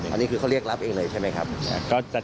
อันนี้คือเขาเรียกรับเองเลยใช่ไหมครับ